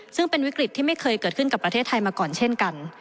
ซึ่งเป็นวิกฤตที่ไม่เคยเกิดขึ้นกับประเทศไทยมาก่อนเช่นกัน